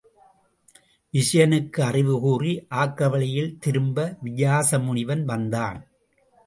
விசயனுக்கு அறிவு கூறி ஆக்க வழியில் திருப்ப வியாச முனிவன் வந்தான்.